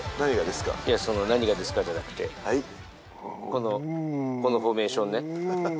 いや何がですかじゃなくてこのフォーメーションね。